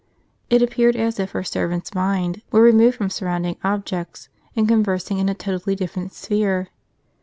It appeared as if her servant's mind were removed from surrounding objects, and conversing in a totally dif ferent sphere.